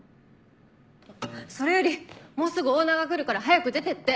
それよりもうすぐオーナーが来るから早く出てって。